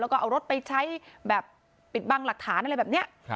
แล้วก็เอารถไปใช้แบบปิดบังหลักฐานอะไรแบบนี้